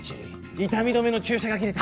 痛み止めの注射が切れた。